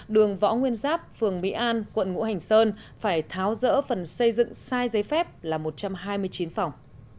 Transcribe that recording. đường võ nguyên giáp phường mỹ an quận ngũ hành sơn phải tháo rỡ phần xây dựng sai giấy phép là một trăm hai mươi chín phòng